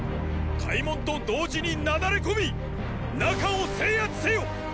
開門と同時に雪崩れ込み中を制圧せよ！